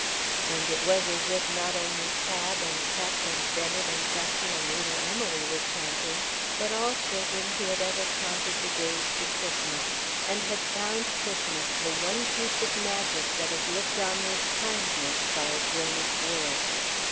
And it was as if not only Tab and Pep and Bennet and Gussie and little Emily were chanting, but all children who had ever counted the days to Christmas and had found Christmas the one piece of magic that is looked on with kindness by a grown up world.